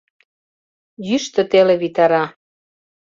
Йӱштӧ теле витара.